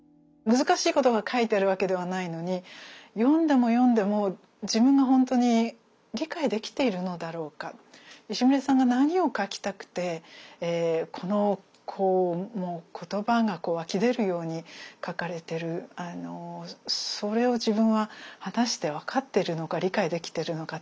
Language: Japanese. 難しいことが書いてあるわけではないのに読んでも読んでも自分がほんとに理解できているのだろうか石牟礼さんが何を書きたくてこのもう言葉が湧き出るように書かれているそれを自分は果たして分かってるのか理解できてるのかって